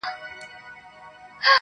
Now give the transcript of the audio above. لکه ماسوم بې موره.